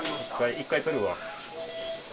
１回撮るわ。